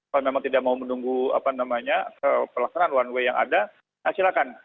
kalau memang tidak mau menunggu pelaksanaan one way yang ada silakan